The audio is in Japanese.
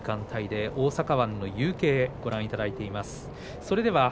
大阪湾の夕景をご覧いただいています。